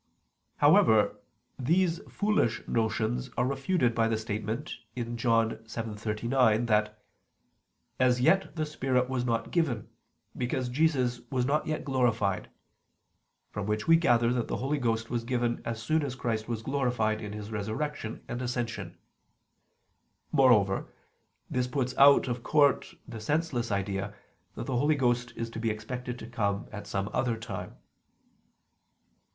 However, these foolish notions are refuted by the statement (John 7:39) that "as yet the Spirit was not given, because Jesus was not yet glorified"; from which we gather that the Holy Ghost was given as soon as Christ was glorified in His Resurrection and Ascension. Moreover, this puts out of court the senseless idea that the Holy Ghost is to be expected to come at some other time.